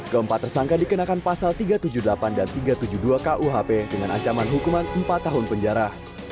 keempat tersangka dikenakan pasal tiga ratus tujuh puluh delapan dan tiga ratus tujuh puluh dua kuhp dengan ancaman hukuman empat tahun penjara